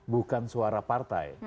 bukan suara partai